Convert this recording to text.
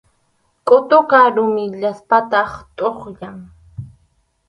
Qʼutuqa rumiyaspataq tʼuqyan.